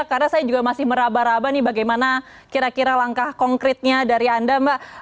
karena saya juga masih meraba raba nih bagaimana kira kira langkah konkretnya dari anda mbak